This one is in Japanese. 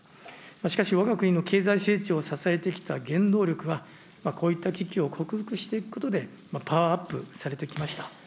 しかしわが国の経済成長を支えてきた原動力は、こういった危機を克服していくことで、パワーアップされてきました。